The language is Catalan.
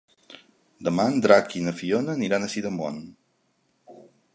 Demà en Drac i na Fiona aniran a Sidamon.